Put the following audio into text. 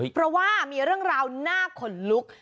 เพราะว่ามีเรื่องราวน่าขนลุก